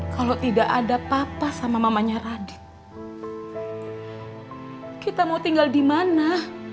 kalau tidak ada papa sama mamanya radik kita mau tinggal di mana